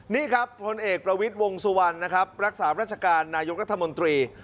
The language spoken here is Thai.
นี่ครับพลเอกประวิทย์วงสุวรรณนะครับรักษาราชการนายกรัฐมนตรี